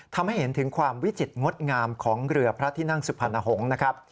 ทำให้เห็นถึงความวิจิตรงดงามของเรือพระที่นั่งสุพรรณหงษ์นะครับ